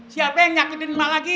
siapa yang nyakitin ema lagi